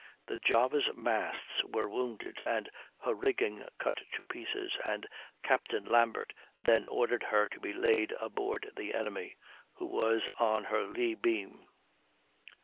The Java's masts were wounded and her rigging cut to pieces, and Captain Lambert then ordered her to be laid aboard the enemy, who was on her lee beam.